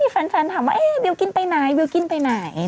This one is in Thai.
แฟนถามว่าบิลกินไปไหนบิลกิ้นไปไหน